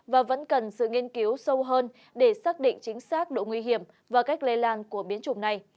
và vẫn cần sự nghiên cứu sâu hơn để xác định chính xác độ nguy hiểm và cách lây lan của biến chủng này